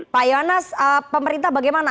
pak yohanas pemerintah bagaimana